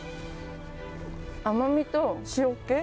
甘みと塩気